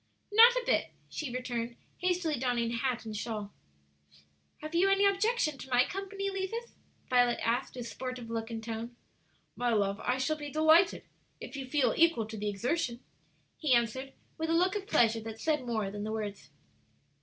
"Not a bit," she returned, hastily donning hat and shawl. "Have you any objection to my company, Levis?" Violet asked, with sportive look and tone. "My love, I shall be delighted, if you feel equal to the exertion," he answered, with a look of pleasure that said more than the words.